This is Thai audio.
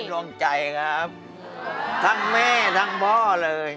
ดวงใจครับทั้งแม่ทั้งพ่อเลย